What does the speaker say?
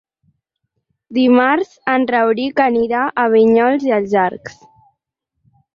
Dimarts en Rauric anirà a Vinyols i els Arcs.